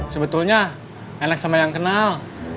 sebetulnya enak sama yang kenal